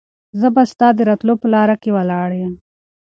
زه به ستا د راتلو په لاره کې ولاړ یم.